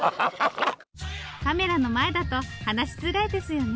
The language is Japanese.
カメラの前だと話しづらいですよね。